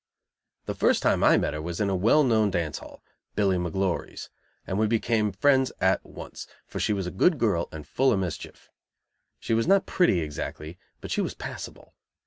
The first time I met her was in a well known dance hall Billy McGlory's and we became friends at once, for she was a good girl and full of mischief. She was not pretty, exactly, but she was passable.